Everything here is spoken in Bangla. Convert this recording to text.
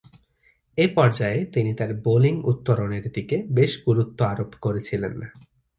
এ পর্যায়ে তিনি তার বোলিং উত্তরণের দিকে বেশ গুরুত্ব আরোপ করেছিলেন।